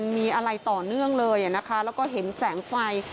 มีอะไรต่อเนื่องเลยนะคะแล้วก็เห็นแสงไฟ